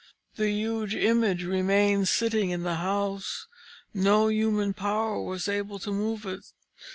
The huge image remained sitting in the house; no human power was able to move it.